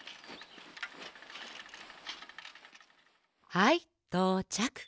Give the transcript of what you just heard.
はいとうちゃく。